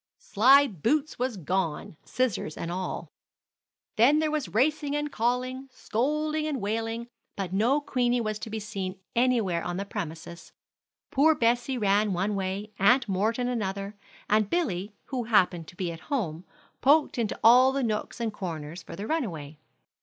Slyboots was gone, scissors and all. Then there was racing and calling, scolding and wailing, but no Queenie was to be seen anywhere on the premises. Poor Bessie ran one way, Aunt Morton another, and Billy, who happened to be at home, poked into all the nooks and corners for the runaway.